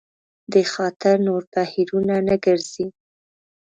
دې خاطر نور بهیرونه نه ګرځي.